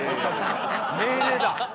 命令だ。